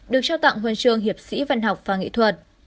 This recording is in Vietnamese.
được trao tặng huân trường hiệp sĩ văn học và nghị thuật